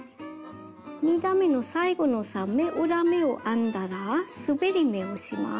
２段めの最後の３目裏目を編んだらすべり目をします。